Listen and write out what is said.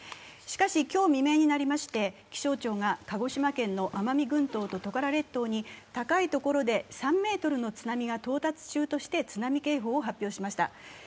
しかし今日未明になりまして気象庁が鹿児島県の奄美群島とトカラ列島に高い所で３ｍの津波が到達中として津波警報を発表しました。